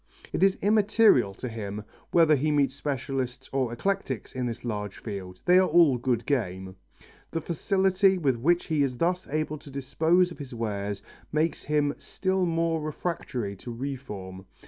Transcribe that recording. It is immaterial to him whether he meets specialists or eclectics in this large field they are all good game. The facility with which he is thus able to dispose of his wares makes him still more refractory to reform.